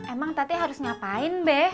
emang tadi harus ngapain be